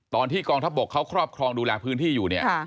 ตอนที่กองทัพบกเขาครอบครองดูแลพื้นที่อยู่เนี่ย